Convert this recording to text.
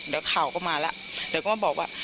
เดี๋ยวข่าวก็มาแล้วเดี๋ยวก็บอกว่า